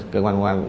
cơ quan công an